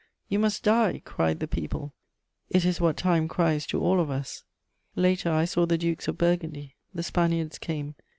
"You must die!" cried the people: it is what Time cries to all of us. Later, I saw the Dukes of Burgundy; the Spaniards came.